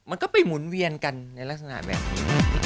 มันก็ไปหมุนเวียนกันในลักษณะแบบนี้